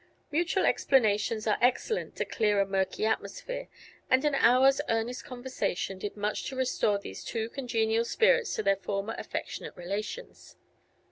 Mutual explanations are excellent to clear a murky atmosphere, and an hour's earnest conversation did much to restore these two congenial spirits to their former affectionate relations.